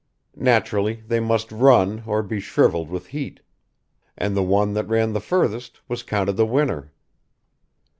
Naturally they must run or be shrivelled with heat. And the one that ran the furthest was counted the winner.